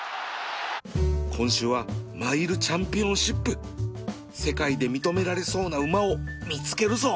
今週はマイルチャンピオンシップ世界で認められそうな馬を見つけるぞ